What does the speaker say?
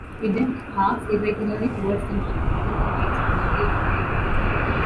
It then arcs irregularly towards the north, climbing to heights of nearly a kilometer.